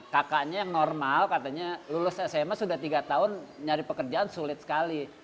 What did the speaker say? kakaknya yang normal katanya lulus sma sudah tiga tahun nyari pekerjaan sulit sekali